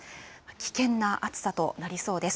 危険な暑さとなりそうです。